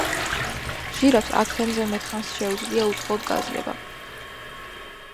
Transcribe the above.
ჟირაფს აქლემზე მეტი ხანს შეუძლია უწყლოდ გაძლება